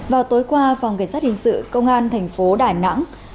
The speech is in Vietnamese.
vào tối qua phòng cảnh sát hình sự công an thành phố đà nẵng